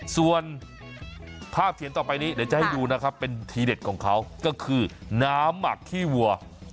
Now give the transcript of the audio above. ส่วนภาพเขียนต่อไปนี้เดี๋ยวจะให้ดูนะครับเป็นทีเด็ดของเขาก็คือน้ำหมักขี้วัว